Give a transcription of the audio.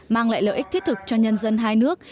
mang lại lợi ích thiết thực cho nhân dân hai nước